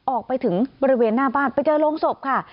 ออกไปถึงบริเวณหน้าบ้านไปเจอโรงศพค่ะ